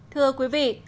thưa quý vị